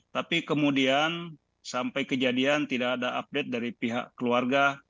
tapi kemudian sampai kejadian tidak ada update dari pihak keluarga